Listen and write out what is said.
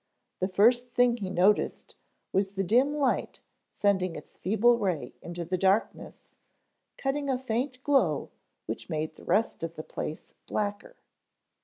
The first thing he noticed was the dim light sending its feeble ray into the darkness, cutting a faint glow which made the rest of the place blacker.